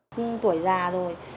tôi tuổi già rồi